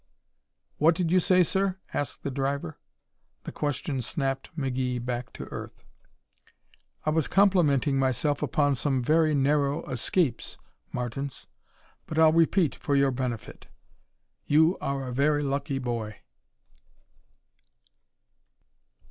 "What did you say, sir?" asked the driver. The question snapped McGee back to earth. "I was complimenting myself upon some very narrow escapes, Martins, but I'll repeat for your benefit. You are a very lucky boy."